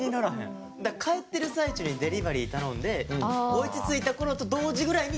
帰ってる最中にデリバリー頼んでお家に着いた頃と同時ぐらいに。